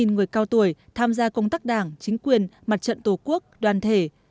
sáu trăm tám mươi người cao tuổi tham gia công tác đảng chính quyền mặt trận tổ quốc đoàn thể